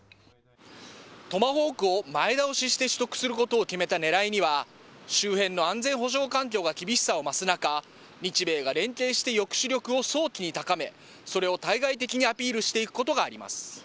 トマホークを前倒しして取得することを決めたねらいには、周辺の安全保障環境が厳しさを増す中、日米が連携して抑止力を早期に高め、それを対外的にアピールしていくことがあります。